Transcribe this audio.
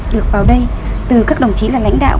được vào đây từ các đồng chí là lãnh đạo